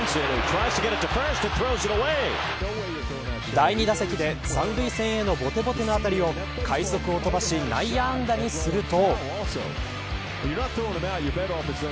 第２先打席で三塁線へのぼてぼての当たりを快足を飛ばし内野安打にすると。